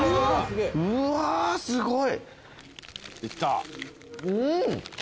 うわすごい。